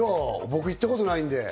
僕、行ったことないんで。